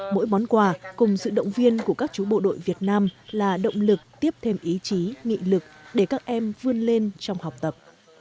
mỗi món quà cùng sự động viên của các chú bộ đội việt nam là động lực tiếp thêm ý chí nghị lực để các em vươn lên trong học tập